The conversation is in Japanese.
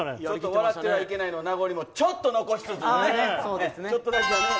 笑ってはいけないの名残もちょっとだけ残しつつ。